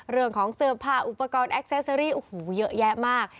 เรื่องของเสื้อผ้าอุปกรณ์แอคเซอรี่โอ้โหเยอะแยะมาก